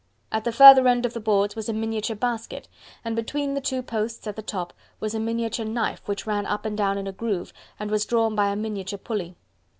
At the further end of the boards was a miniature basket, and between the two posts, at the top, was a miniature knife which ran up and down in a groove and was drawn by a miniature pulley.